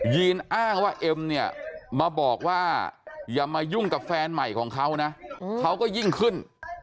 ีนอ้างว่าเอ็มเนี่ยมาบอกว่าอย่ามายุ่งกับแฟนใหม่ของเขานะเขาก็ยิ่งขึ้น